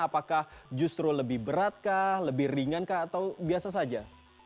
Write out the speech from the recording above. apakah justru lebih berat kah lebih ringan kah atau biasa saja